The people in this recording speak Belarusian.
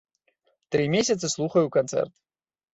Тры месяцы слухаю канцэрт.